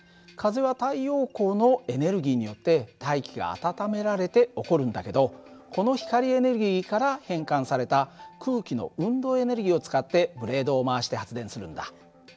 風は太陽光のエネルギーによって大気が暖められて起こるんだけどこの光エネルギーから変換された空気の運動エネルギーを使ってブレードを回して発電するんだ。